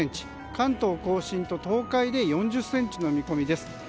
関東・甲信と東海で４０ｃｍの見込みです。